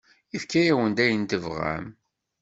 Yefka-awen-d ayen tebɣam.